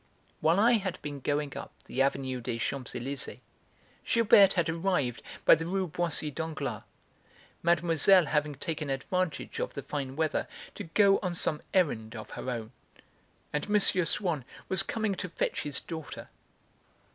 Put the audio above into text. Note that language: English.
While I had been going up the Avenue des Champs Elysées, Gilberte had arrived by the Rue Boissy d'Anglas, Mademoiselle having taken advantage of the fine weather to go on some errand of her own; and M. Swann was coming to fetch his daughter.